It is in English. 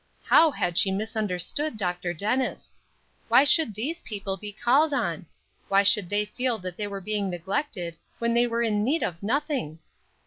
How had she misunderstood Dr. Dennis! Why should these people be called on? Why should they feel that they were being neglected when they were in need of nothing?